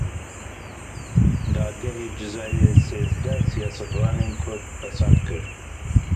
Dadgehê cezayên sêzdeh siyasetvanên kurd pesend kir.